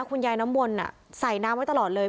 คุณยายน้ำวนใส่น้ำไว้ตลอดเลย